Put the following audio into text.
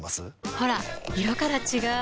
ほら色から違う！